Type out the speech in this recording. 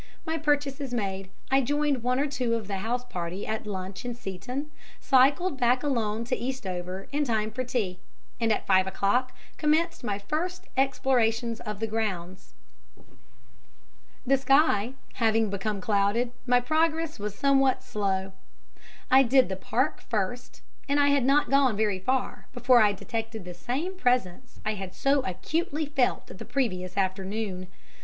My purchases made, I joined one or two of the house party at lunch in Seeton, cycled back alone to Eastover in time for tea; and, at five o'clock, commenced my first explorations of the grounds. The sky having become clouded my progress was somewhat slow. I did the Park first, and I had not gone very far before I detected the same presence I had so acutely felt the previous afternoon.